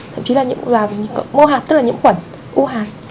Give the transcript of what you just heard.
thậm chí là mô hạt tức là những quẩn u hạt